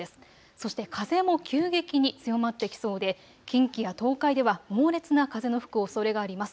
そして風も急激に強まってきそうで近畿や東海では猛烈な風の吹くおそれがあります。